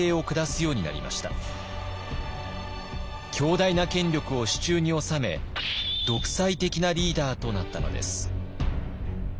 強大な権力を手中に収め独裁的なリーダーとなったのです。